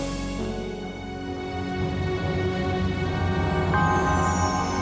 itu dilakukan banget